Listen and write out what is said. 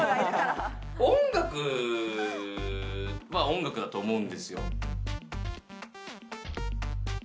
音楽は音楽だと思うんですよ。